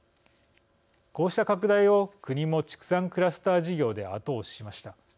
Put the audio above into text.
こうした拡大を国も畜産クラスター事業で後押ししました。